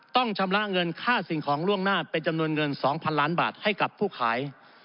ต้องชำระเงินค่าสิ่งของล่วงหน้าเป็นจำนวนเงิน๒๐๐๐ล้านบาทให้กับผู้ขาย